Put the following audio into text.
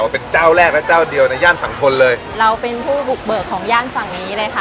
เป็นเจ้าแรกและเจ้าเดียวในย่านฝั่งทนเลยเราเป็นผู้บุกเบิกของย่านฝั่งนี้เลยค่ะ